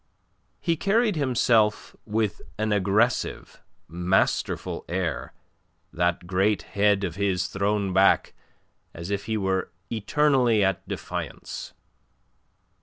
He carried himself with an aggressive, masterful air, that great head of his thrown back as if he were eternally at defiance.